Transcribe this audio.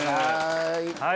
はい。